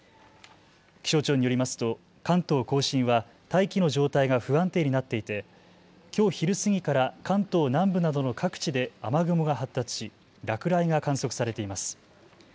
気象庁によりますと関東甲信は大気の状態が不安定になっていてきょう昼過ぎから関東南部などの各地で雨雲が発達し落雷が観測されています。